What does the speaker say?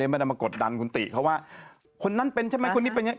ไม่ได้มากดดันคุณติเขาว่าคนนั้นเป็นใช่ไหมคนนี้เป็นยังไง